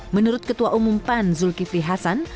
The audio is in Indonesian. menurut ketua umum pan zulkifli hasan